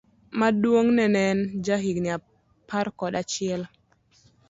Maduong' ne en ja higni apar kod achiel.